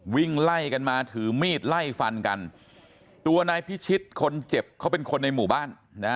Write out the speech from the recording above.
วิ่งไล่กันมาถือมีดไล่ฟันกันตัวนายพิชิตคนเจ็บเขาเป็นคนในหมู่บ้านนะ